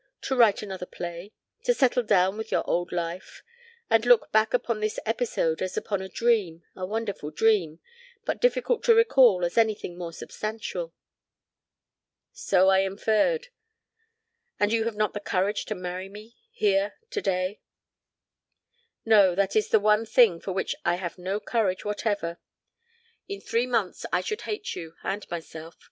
"To write another play. To settle down into your old life and look back upon this episode as upon a dream, a wonderful dream, but difficult to recall as anything more substantial." "So I inferred. And you have not the courage to marry me here today?" "No, that is the one thing for which I have no courage whatever. In three months I should hate you and myself.